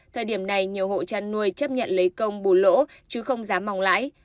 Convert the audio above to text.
thời điểm này nhiều hộ chăn nuôi chấp nhận lấy công bù lỗ chứ không dám mong lãi